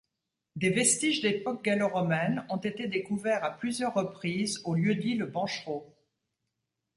Des vestiges d'époque gallo-romaine ont été découverts à plusieurs reprises au lieu-dit le Benchereau.